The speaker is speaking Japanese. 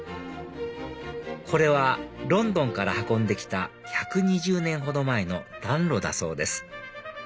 これはロンドンから運んで来た１２０年ほど前の暖炉だそうです